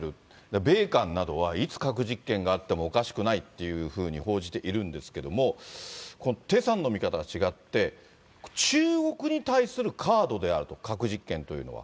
米韓などは、いつ核実験があってもおかしくないっていうふうに報じているんですけども、テさんの見方は違って、中国に対するカードであると、核実験というのは。